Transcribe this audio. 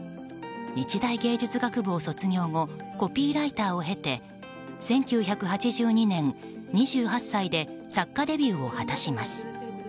日大芸術学部を卒業後コピーライターを経て１９８２年、２８歳で作家デビューを果たします。